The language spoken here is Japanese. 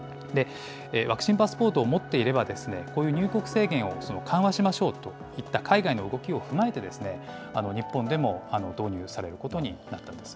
ワクチンパスポートを持っていれば、こういう入国制限を緩和しましょうといった、海外の動きを踏まえて、日本でも導入されることになったんです。